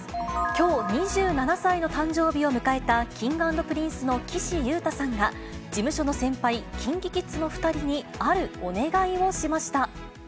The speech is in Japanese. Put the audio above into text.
きょう２７歳の誕生日を迎えたＫｉｎｇ＆Ｐｒｉｎｃｅの岸優太さんが、事務所の先輩、ＫｉｎＫｉＫｉｄｓの２人に、あるお願いをしました。